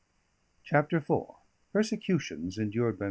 CHAPTER IV PERSECUTIONS ENDURED BY MR.